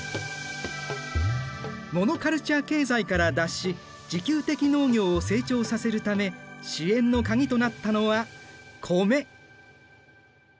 モノカルチャー経済から脱し自給的農業を成長させるため支援の鍵となったのはコメ。